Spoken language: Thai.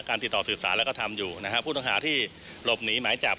ติดต่อสื่อสารแล้วก็ทำอยู่นะฮะผู้ต้องหาที่หลบหนีหมายจับ